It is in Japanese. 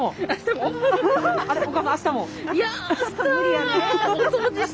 いや。